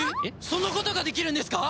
そんなことができるんですか！？